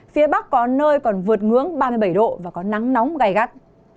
phía bắc có nơi còn vượt ngưỡng ba mươi bảy độ và có nắng nóng gai gắt